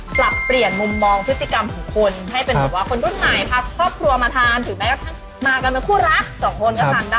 ปรับเปลี่ยนมุมมองพฤติกรรมของคนให้เป็นเหมือนว่าคนรุ่นใหม่พาครอบครัวมาทานถึง